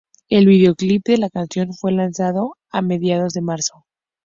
El videoclip de la canción fue lanzado a mediados de marzo.